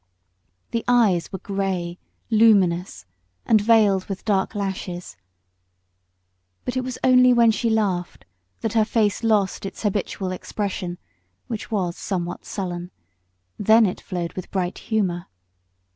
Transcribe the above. The eyes were grey, luminous, and veiled with dark lashes. But it was only when she laughed that her face lost its habitual expression, which was somewhat sullen; then it flowed with bright humour.